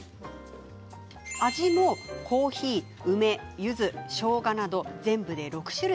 味もコーヒー、梅、ゆずしょうがなど全部で６種類。